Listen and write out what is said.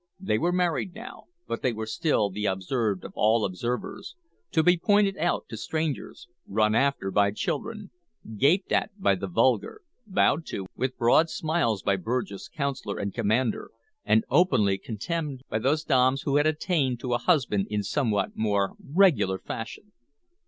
They were married now, but they were still the observed of all observers; to be pointed out to strangers, run after by children, gaped at by the vulgar, bowed to with broad smiles by Burgess, Councilor, and commander, and openly contemned by those dames who had attained to a husband in somewhat more regular fashion.